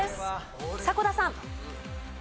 迫田さん。